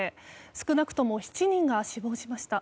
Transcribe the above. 少なくとも７人が死亡しました。